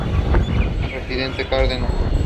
Presidente Cárdenas"".